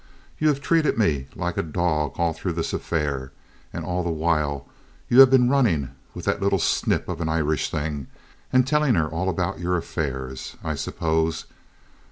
You have treated me like a dog all through this affair; and all the while you have been running with that little snip of an Irish thing, and telling her all about your affairs, I suppose.